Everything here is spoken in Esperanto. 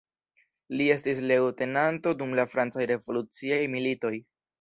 Li estis leŭtenanto dum la francaj revoluciaj militoj.